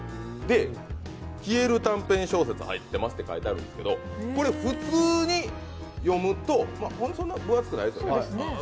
「消える短編小説入ってます」と書いてあるんですけど普通に読むと、そんな分厚くない、薄いですよね。